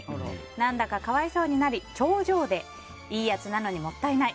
何だか可哀想になり、頂上でいいやつなのにもったいない。